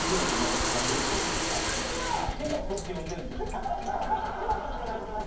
私は「藤本」って呼ばれてます